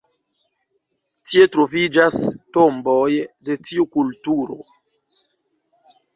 Tie troviĝas tomboj de tiu kulturo.